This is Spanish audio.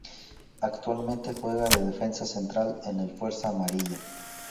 Actualmente juega de defensa central en el Fuerza Amarilla.